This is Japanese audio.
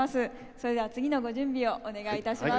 それでは次のご準備をお願いいたします。